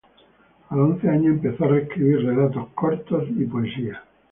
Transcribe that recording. A los once años empezó a escribir relatos cortos y poesía.